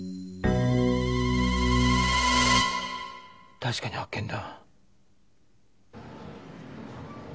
確かに発見だ。